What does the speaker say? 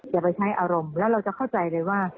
อย่าไปใช้อารมณ์แล้วเราจะเข้าใจเลยว่า